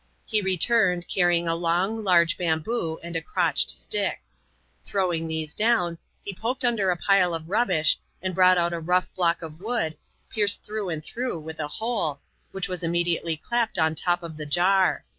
He returned, carrying a long, large bamboo, and a crotched stick. Throwing l^ese down, he poked under a pile of rubbishy and brought out a rough block of wood, pierced through and through with a hole, which was inmiediately clapped on top of the jar.